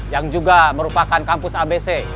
yang juga merupakan kampus abc